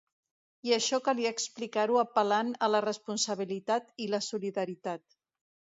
I això calia explicar-ho apel·lant a la responsabilitat i la solidaritat.